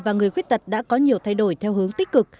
và người khuyết tật đã có nhiều thay đổi theo hướng tích cực